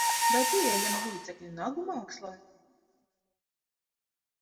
Vai pieejami līdzekļi nagu mākslai?